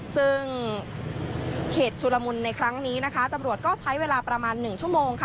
ซึ่งเขตชุลมุนในครั้งนี้นะคะตำรวจก็ใช้เวลาประมาณ๑ชั่วโมงค่ะ